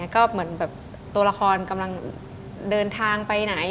ก็เหมือนแบบตัวละครกำลังเดินทางไปไหน